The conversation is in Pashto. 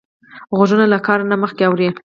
غوږونه له کار نه مخکې اوري